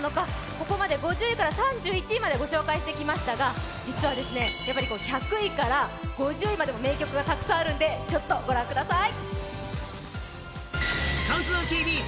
ここまで５０位から３１位までご紹介してきましたが、実はですね、やっぱり１００位から５０位までも名曲がたくさんあるのでちょっとご覧ください。